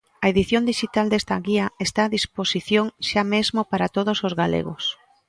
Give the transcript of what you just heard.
A edición dixital desta guía está á disposición xa mesmo para todos os galegos.